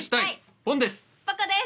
ポコです。